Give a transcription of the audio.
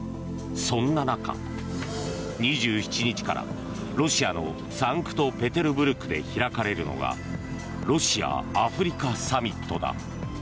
そんな中２７日からロシアのサンクトペテルブルクで開かれるのがロシア・アフリカサミットだ。